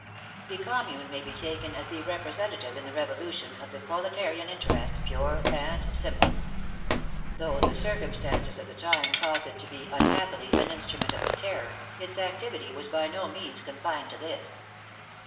The Com mune may be taken as the representative in the Revolu tion of the proletarian interest pure and simple. Though the circumstances of the time caused it to be, unhappily, an instrument of the Terror, its activity was by no means confined to this.